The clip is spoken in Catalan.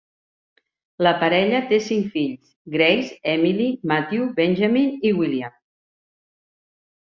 La parella té cinc fills: Grace, Emily, Matthew, Benjamin i William.